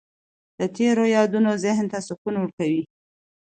د تېرو یادونه ذهن ته سکون ورکوي.